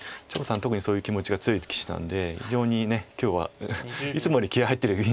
特にそういう気持ちが強い棋士なんで非常に今日はいつもより気合い入ってる印象です。